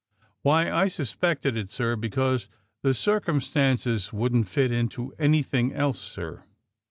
''Why, I suspected it, sir, because the circum stances wouldn't tit into anything else, sir."